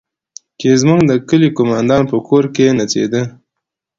چې زموږ د کلي د قومندان په کور کښې نڅېده.